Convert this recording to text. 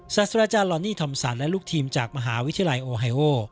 ซัสเตอร์อาจารย์ลอนนี่ธรรมศัลและลูกทีมจากมหาวิทยาลัยโอไฮโอ